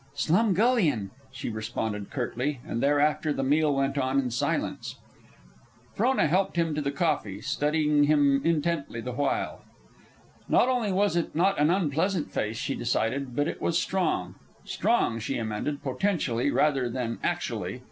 "Slumgullion," she responded curtly, and thereafter the meal went on in silence. Frona helped him to the coffee, studying him intently the while. And not only was it not an unpleasant face, she decided, but it was strong. Strong, she amended, potentially rather than actually.